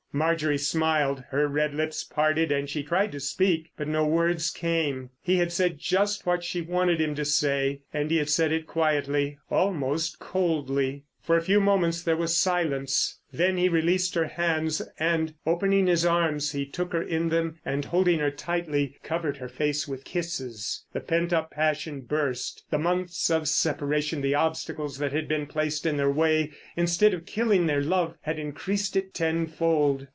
Marjorie smiled: her red lips parted and she tried to speak, but no words came. He had said just what she wanted him to say. And he had said it quietly, almost coldly. For a few moments there was silence. Then he released her hands, and opening his arms he took her in them and, holding her tightly, covered her face with kisses. The pent up passion burst. The months of separation, the obstacles that had been placed in their way, instead of killing their love, had increased it ten fold.